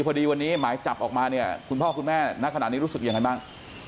พอดีวันนี้หมายจับออกมาเนี่ยคุณพ่อคุณแม่ณขณะนี้รู้สึกยังไงบ้าง